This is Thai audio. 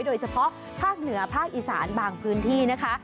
โดยเฉพาะภาคเหนือภาคอีสานบางพื้นที่นะคะ